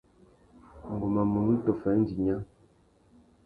Ngu má munú tôffa indi nya.